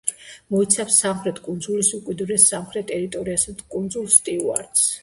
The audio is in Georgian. მოიცავს სამხრეთ კუნძულის უკიდურეს სამხრეთ ტერიტორიასა და კუნძულ სტიუარტს.